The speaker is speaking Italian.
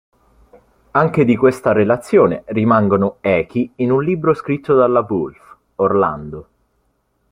Anche di questa relazione rimangono echi in un libro scritto dalla Woolf, "Orlando".